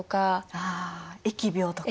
あ疫病とか。